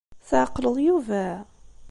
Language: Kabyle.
Tɛeqleḍ Yuba?